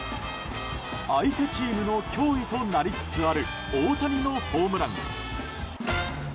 相手チームの脅威となりつつある大谷のホームラン。